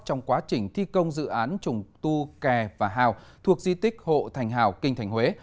trong quá trình thi công dự án trùng tu kè và hào thuộc di tích hộ thành hào kinh thành huế